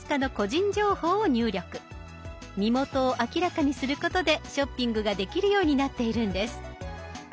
身元を明らかにすることでショッピングができるようになっているんです。